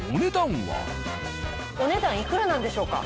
お値段いくらなんでしょうか？